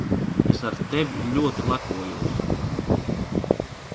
Es ar tevi ļoti lepojos.